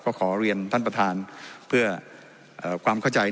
ก็ขอเรียนท่านประธานเพื่อความเข้าใจ